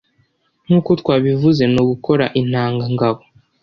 nkuko twabivuze ni ugukora intangangabo.